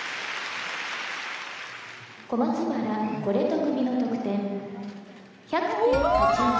「小松原コレト組の得点１００．８２」